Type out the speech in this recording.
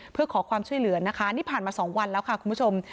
เพื่อขอความช่วยเหลือนะคะนี่ผ่านมา๒วันแล้วค่ะคุณผู้ชม